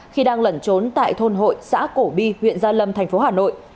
khi đang lẩn trốn tại thôn hội xã cổ bi huyện gia lâm thành phố hà nội